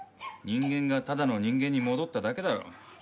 人間がただの人間に戻っただけだろ。